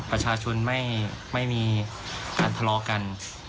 ประชาชนไม่มีการทะเลาะกัน